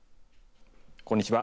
こんにちは。